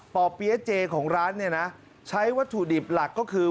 เปี๊ยะเจของร้านเนี่ยนะใช้วัตถุดิบหลักก็คือ